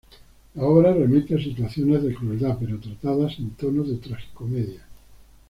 La obra remite a situaciones de crueldad pero tratadas en tono de tragicomedia.